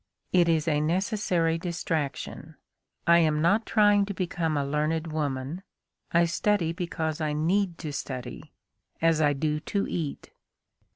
It is a necessary distraction. I am not trying to become a learned woman; I study because I need to study, as I do to eat."